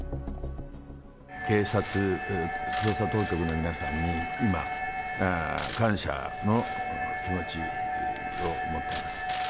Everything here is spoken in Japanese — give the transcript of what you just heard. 警察、捜査当局の皆さんに、今、感謝の気持ちを持ってます。